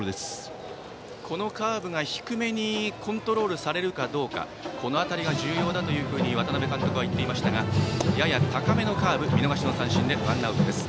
このカーブが低めにコントロールされるかどうかこの辺りが重要だと渡辺監督は言っていましたがやや高めのカーブを見逃し三振でワンアウトです。